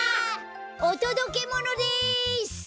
おとどけものです！